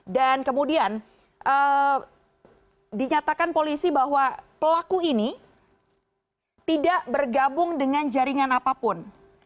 dan kemudian dinyatakan polisi bahwa pelaku ini tidak bergabung dengan jaringan apapun